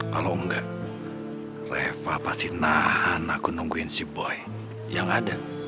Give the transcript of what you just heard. kalau enggak reva pasti nahan aku nungguin si boy yang ada